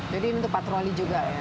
jadi untuk patroli juga ya